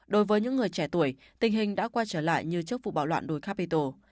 đối với những người trẻ tuổi tình hình đã quay trở lại như trước vụ bạo loạn đuôi capitol